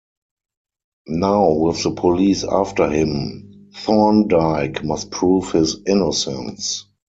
Now with the police after him, Thorndyke must prove his innocence.